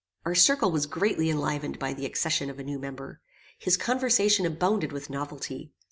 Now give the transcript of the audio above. Our circle was greatly enlivened by the accession of a new member. His conversation abounded with novelty.